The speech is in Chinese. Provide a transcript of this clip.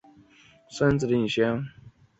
北汝河下游段系古代汝水故道。